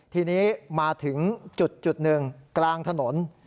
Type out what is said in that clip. ทีนี้มาถึงจุดหนึ่งกลางถนน